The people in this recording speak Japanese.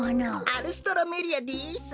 アルストロメリアです。